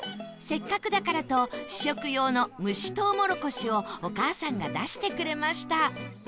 せっかくだからと試食用の蒸しとうもろこしをお母さんが出してくれました